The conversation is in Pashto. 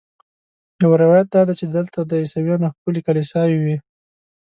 یو روایت دا دی چې دلته د عیسویانو ښکلې کلیساوې وې.